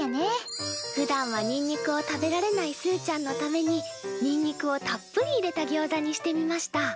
ふだんはにんにくを食べられないすーちゃんのためににんにくをたっぷり入れたギョウザにしてみました。